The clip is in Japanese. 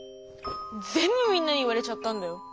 ぜんぶみんなに言われちゃったんだよ！